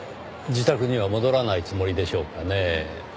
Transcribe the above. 自宅には戻らないつもりでしょうかねぇ。